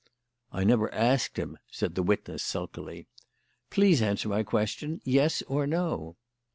"I never asked him," said the witness sulkily. "Please answer my question yes or no?"